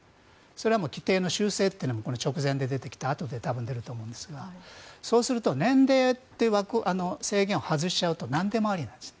それは規定の修正というのも直前で出てきてあとで出ると思うんですがそうすると年齢という制限を外しちゃうとなんでもありなんです。